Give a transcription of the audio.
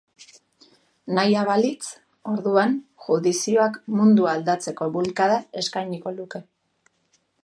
Nahia balitz, orduan judizioak mundua aldatzeko bulkada eskainiko luke.